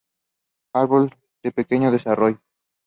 Árbol de pequeño desarrollo.